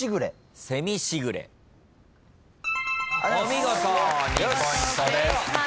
お見事２ポイントです。